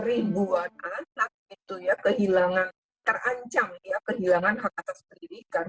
ribuan anak gitu ya kehilangan terancam ya kehilangan hak atas pendidikan